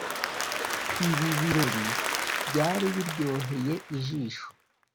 Ibi birori byari biryoheye ijisho